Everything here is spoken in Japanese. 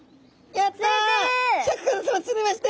やった！